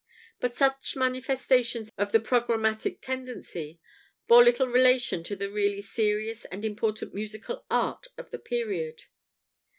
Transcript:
But such manifestations of the "programmatic" tendency bore little relation to the really serious and important musical art of the period.